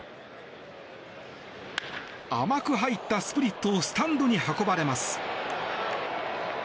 甘く入ったスプリットをスタンドに運ばれます。